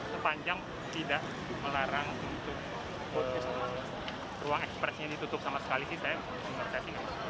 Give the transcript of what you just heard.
sepanjang tidak melarang untuk ruang ekspresinya ditutup sama sekali sih saya